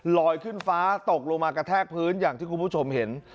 ลอยขึ้นฟ้าตกลงมากระแทกพื้นอย่างที่คุณผู้ชมเห็น